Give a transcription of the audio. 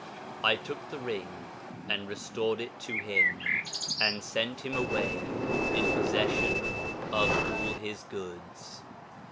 I took the ring and restored it to him, and sent him away in possession of all his goods....